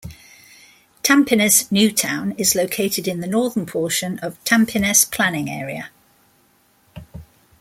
Tampines New Town is located in the northern portion of Tampines planning area.